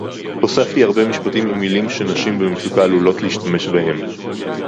הוספתי הרבה משפטים עם מילים שנשים במצוקה עלולות להשתמש בהם